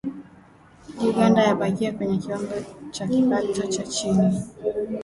Uganda yabakia kwenye kiwango cha kipato cha chini